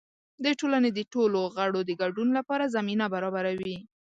د ټولنې د ټولو غړو د ګډون لپاره زمینه برابروي.